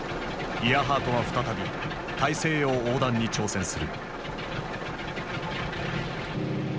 イアハートは再び大西洋横断に挑戦する。